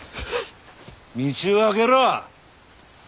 道を空けろ。